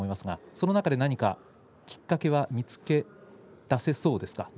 その中で何かきっかけは見つけだせそうですか。